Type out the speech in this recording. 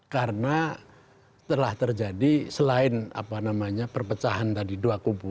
karena telah terjadi selain apa namanya perpecahan tadi dua kubu